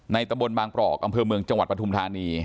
ตะบนบางปรอกอำเภอเมืองจังหวัดปฐุมธานี